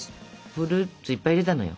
フルーツいっぱい入れたのよ。